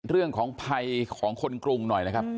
เรื่องของภัยของคนกรุงหน่อยนะครับ